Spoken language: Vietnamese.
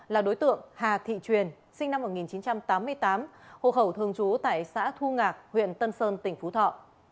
là đối tượng hà thị truyền sinh năm một nghìn chín trăm tám mươi tám hộ khẩu thường trú tại xã thu ngạc huyện tân sơn tỉnh phú thọ